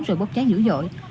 rồi bốc cháy dữ dội